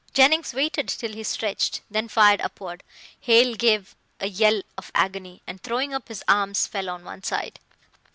Jennings waited till he stretched, then fired upward. Hale gave a yell of agony, and throwing up his arms, fell on one side.